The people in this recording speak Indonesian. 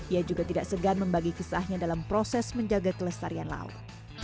ia juga tidak segan membagi kisahnya dalam proses menjaga kelestarian laut